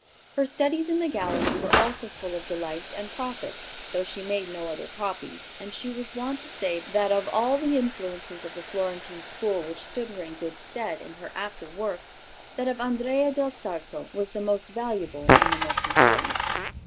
"Her studies in the galleries were also full of delight and profit, though she made no other copies, and she was wont to say that of all the influences of the Florentine school which stood her in good stead in her after work, that of Andrea del Sarto was the most valuable and the most important.